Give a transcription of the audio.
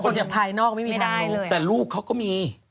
มองคนอย่างภายนอกไม่มีทางรู้แต่ลูกเขาก็มี